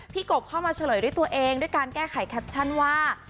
กบเข้ามาเฉลยด้วยตัวเองด้วยการแก้ไขแคปชั่นว่า